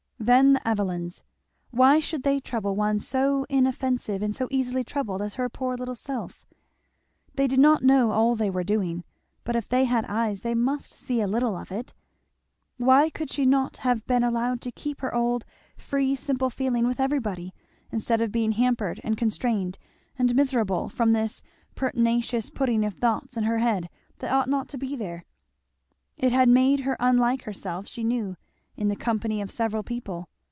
Then the Evelyns why should they trouble one so inoffensive and so easily troubled as her poor little self? They did not know all they were doing, but if they had eyes they must see a little of it. Why could she not have been allowed to keep her old free simple feeling with everybody, instead of being hampered and constrained and miserable from this pertinacious putting of thoughts in her head that ought not to be there? It had made her unlike herself, she knew, in the company of several people.